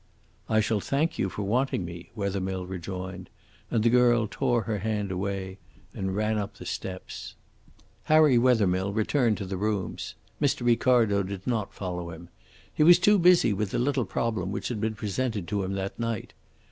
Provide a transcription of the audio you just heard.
"I shall thank you for wanting me," Wethermill rejoined; and the girl tore her hand away and ran up the steps. Harry Wethermill returned to the rooms. Mr. Ricardo did not follow him. He was too busy with the little problem which had been presented to him that night.